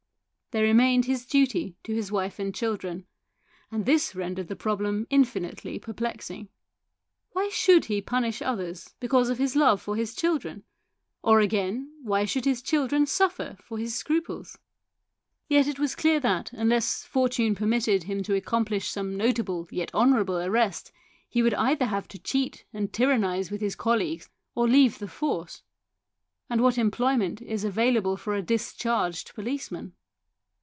There remained his duty to his wife and children, and this rendered the problem infinitely perplexing. Why should he punish others because of his love for his children ; or, again, why should his children suffer for his scruples ? Yet it was clear that, unless fortune permitted THE SOUL OF A POLICEMAN 187 him to accomplish some notable yet honour able arrest, he would either have to cheat and tyrannise with his colleagues or leave the force. And what employment is avail able for a discharged policeman?